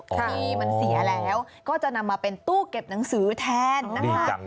ที่มันเสียแล้วก็จะนำมาเป็นตู้เก็บหนังสือแทนนะคะ